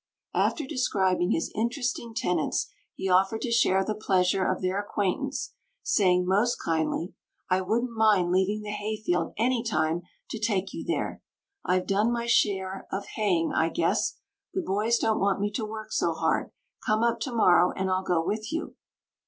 After describing his interesting tenants he offered to share the pleasure of their acquaintance, saying most kindly, "I wouldn't mind leaving the hay field any time to take you there! I've done my share of haying, I guess; the boys don't want me to work so hard; come up to morrow and I'll go with you!"